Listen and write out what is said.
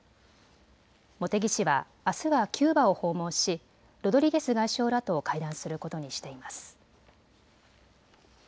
茂木氏はあすはキューバを訪問しロドリゲス外相らと会談することにしています。